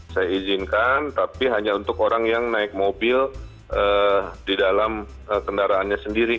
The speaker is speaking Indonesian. saya izinkan tapi hanya untuk orang yang naik mobil di dalam kendaraannya sendiri